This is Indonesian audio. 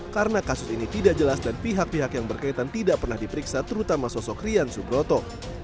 karena kasus ini tidak jelas dan pihak pihak yang berkaitan tidak pernah diperiksa terutama sosok rian subroto